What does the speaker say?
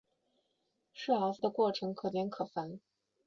设鏊子的过程可简可繁。